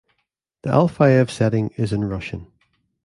The Alfeyev setting is in Russian.